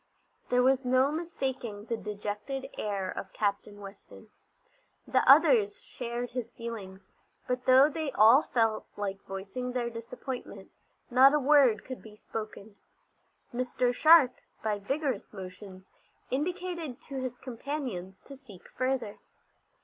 There was no mistaking the dejected air of Captain Weston. The others shared his feelings, but though they all felt like voicing their disappointment, not a word could be spoken. Mr. Sharp, by vigorous motions, indicated to his companions to seek further.